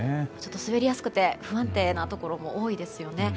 滑りやすくて不安定なところも多いですよね。